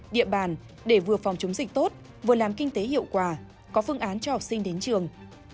địa bàn để vừa phòng chống dịch tốt vừa làm kinh tế hiệu quả có phương án cho học sinh đến trường